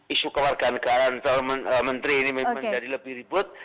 isu keluarga negara menteri ini menjadi lebih ribut